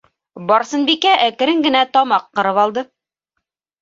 Барсынбикә әкрен генә тамаҡ ҡырып алды: